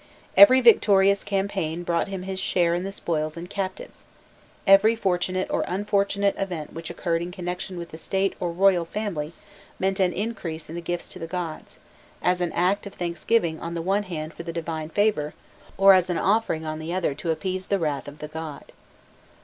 Every victorious campaign brought him his share in the spoils and captives; every fortunate or unfortunate event which occurred in connection with the State or royal family meant an increase in the gifts to the god, as an act of thanksgiving on the one hand for the divine favour, or as an offering on the other to appease the wrath of the god.